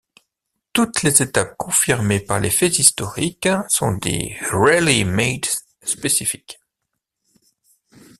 Toutes les étapes confirmées par les faits historiques sont des really-made spécifiques.